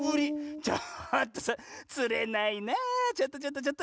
ちょっとそれつれないなちょっとちょっとちょっと。